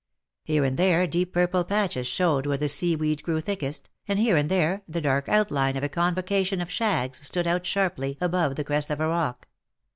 Here and there deep purple patches showed where the sea weed grew thickest, and here and there the dark outline of a convocation of shags stood out sharply above the crest of a rock.